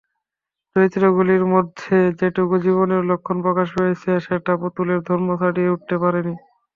চরিত্রগুলির মধ্যে যেটুকু জীবনের লক্ষণ প্রকাশ পেয়েছে সেটা পুতুলের ধর্ম ছাড়িয়ে উঠতে পারে নি।